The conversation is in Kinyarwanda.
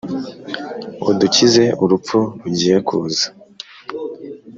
udukize urupfu! rugiye kuza